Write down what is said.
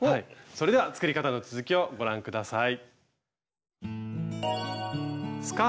それでは作り方の続きをご覧下さい。